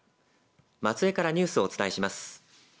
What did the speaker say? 松江からニュースをお伝えします。